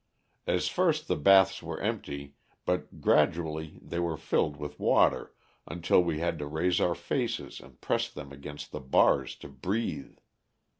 As first the baths were empty, but gradually they were filled with water until we had to raise our faces and press them against the bars to breathe.